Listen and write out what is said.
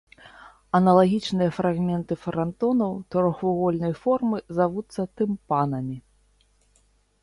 Аналагічныя фрагменты франтонаў трохвугольнай формы завуцца тымпанамі.